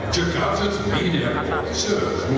jakarta media utama